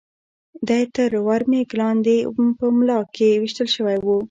دی تر ور مېږ لاندې په ملا کې وېشتل شوی و.